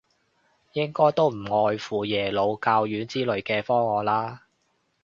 應該都不外乎耶魯、教院之類嘅方案啦